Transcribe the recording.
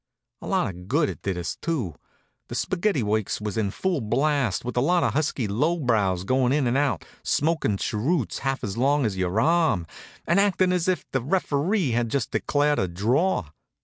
A lot of good it did us, too. The spaghetti works was in full blast, with a lot of husky lowbrows goin' in and out, smokin' cheroots half as long as your arm, and acting as if the referee had just declared a draw.